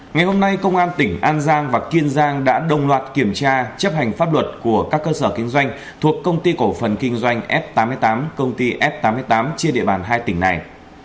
ngày hôm nay công an tỉnh an giang và kiên giang đã đồng loạt kiểm tra chấp hành pháp luật của các cơ sở kinh doanh thuộc công ty cổ phần kinh doanh f tám mươi tám công ty f tám mươi tám trên địa bàn hai tỉnh này